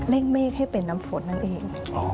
่งเมฆให้เป็นน้ำฝนนั่นเอง